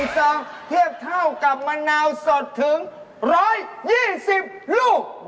ซองเทียบเท่ากับมะนาวสดถึง๑๒๐ลูก